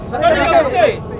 sakari genggut cik